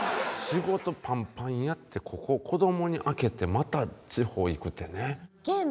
仕事パンパンやってここ子供に空けてまた地方行くってね。